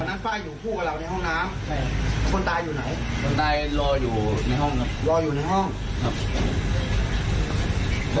วันนั้นฟ้ายอยู่ผู้กับเราในห้องน้ำ